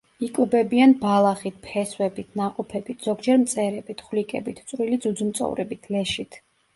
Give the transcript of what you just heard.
იკვებებიან ბალახით, ფესვებით, ნაყოფებით, ზოგჯერ მწერებით, ხვლიკებით, წვრილი ძუძუმწოვრებით, ლეშით.